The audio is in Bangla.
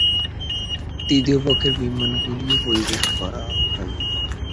তৃতীয় পক্ষের বিমানগুলিও পরিবেশন করা হয়।